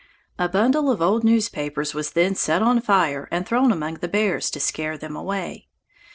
A bundle of old newspapers was then set on fire and thrown among the bears, to scare them away.